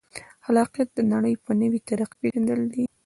خلاقیت د نړۍ په نوې طریقه پېژندل دي.